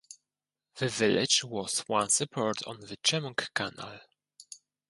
The village was once a port on the Chemung Canal.